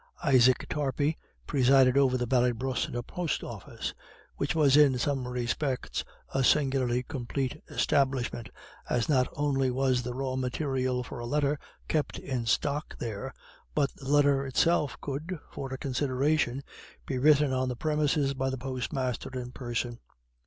Isaac Tarpey presided over the Ballybrosna Post office, which was in some respects a singularly complete establishment, as not only was the raw material for a letter kept in stock there, but the letter itself could, for a consideration, be written on the premises by the postmaster in person.